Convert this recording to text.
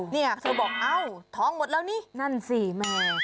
เนี่ยเธอบอกเอ้าท้องหมดแล้วนี่นั่นสิแม่